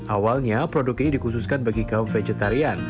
awalnya produk ini dikhususkan bagi kaum vegetarian